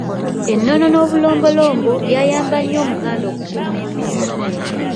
Ennono n'obulombolombo byayamba nnyo Omuganda okukuuma empisa.